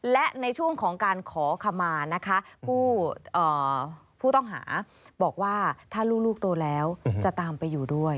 และในช่วงของการขอขมานะคะผู้ต้องหาบอกว่าถ้าลูกโตแล้วจะตามไปอยู่ด้วย